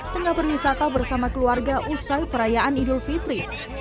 tengah berwisata bersama keluarga usai perayaan idul fitri